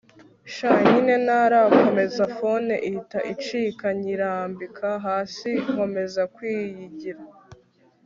sha nyine.. ntarakomeza phone ihita icika nyirambika hasi nkomeza kwiyigira